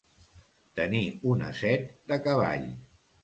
Tenir una set de cavall.